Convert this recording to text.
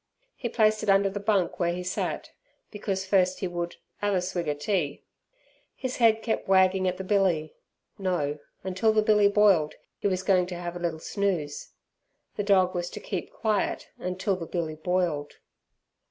He placed it under the bunk where he sat, because first he would "'ave a swig er tea". His head kept wagging at the billy. No, until the billy boiled he was going to have a little snooze. The dog was to keep quiet until the billy boiled.